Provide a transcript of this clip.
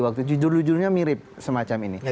waktu jujur jujurnya mirip semacam ini